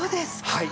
はい。